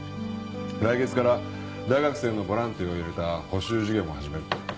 来月から大学生のボランティアを入れた補習授業も始めるって。